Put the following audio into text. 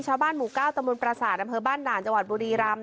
ชาวบ้านหมู่๙ตะมนต์ประสาทอำเภอบ้านด่านจังหวัดบุรีรำ